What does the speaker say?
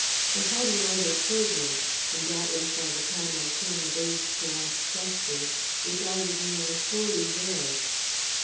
They had no other children, and doubtless by the time I came of age to ask questions, regarded me as wholly theirs.